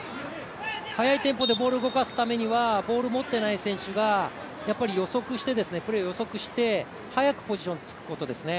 速いテンポでボールを動かすためにはボールを持ってない選手がプレーを予測して早くポジションに着くことですね